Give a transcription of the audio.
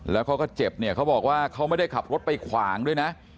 แล้วเขาก็เจ็บเนี่ยเขาบอกว่าเขาไม่ได้ขับรถไปขวางด้วยนะ